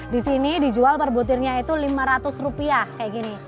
disini dijual per butirnya itu rp lima ratus kayak gini